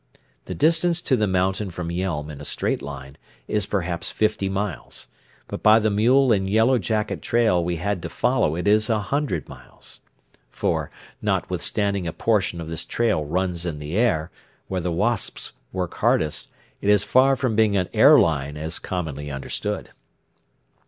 The distance to the mountain from Yelm in a straight line is perhaps fifty miles; but by the mule and yellowjacket trail we had to follow it is a hundred miles. For, notwithstanding a portion of this trail runs in the air, where the wasps work hardest, it is far from being an air line as commonly understood.